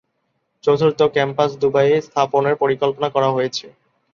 চতুর্থ ক্যাম্পাস দুবাইয়ে স্থাপনের পরিকল্পনা করা হয়েছে।